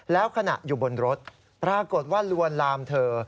แล้วขณะอยู่บนรถปรากฏว่าลวนลามเธอ